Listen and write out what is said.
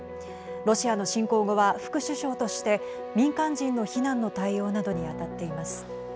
ロシアの侵攻後は副首相として民間人の避難の対応などに当たっています。